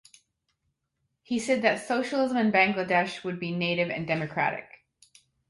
He said that socialism in Bangladesh would be native and democratic.